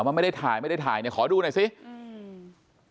ว่าไม่ได้ถ่ายไม่ได้ถ่ายเนี้ยขอดูหน่อยสิอืม